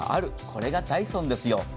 これがダイソンですよ。